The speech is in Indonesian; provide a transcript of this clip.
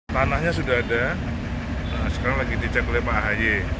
tanahnya sudah ada sekarang lagi dicek oleh pak ahy